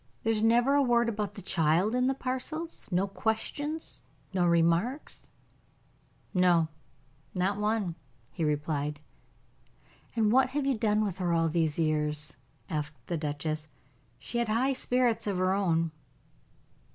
There is never a word about the child in the parcels? No questions? No remarks?" "No; not one," he replied. "And what have you done with her all these years?" asked the duchess. "She had high spirits of her own."